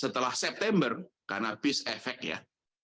di september karena base effect ya